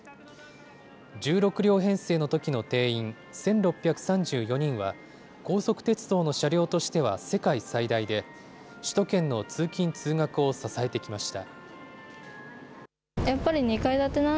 １６両編成のときの定員１６３４人は、高速鉄道の車両としては世界最大で、首都圏の通勤・通学を支えてきました。